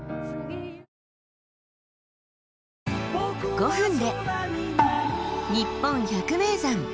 ５分で「にっぽん百名山」。